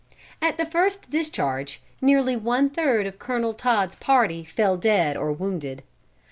At the first discharge, nearly one third of Colonel Todd's little party fell dead or wounded.